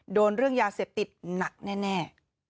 โดนเรื่องยาเสพติดหนักแน่